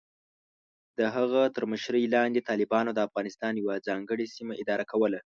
د هغه تر مشرۍ لاندې، طالبانو د افغانستان یوه ځانګړې سیمه اداره کوله.